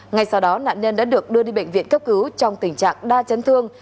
ngay sau đó nạn nhân đã được đưa đi bệnh viện cấp cứu trong tình trạng đa chấn thương